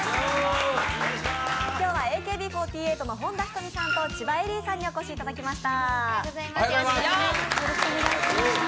今日はＡＫＢ４８の本田仁美さんと千葉恵里さんにお越しいただきました。